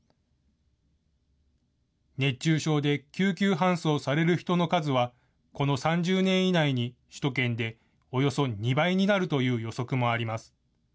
熱中症で救急搬送される人の数は、この３０年以内に首都圏でおよそ２倍になるという予測もあります。